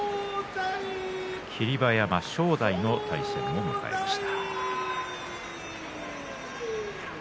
霧馬山、正代の対戦を迎えました。